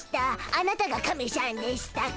あなたがカメしゃんでしたか。